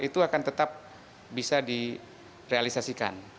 itu akan tetap bisa direalisasikan